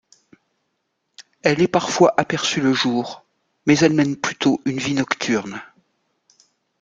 Elle est parfois aperçu le jour, mais elle mène plutôt une vie nocturne.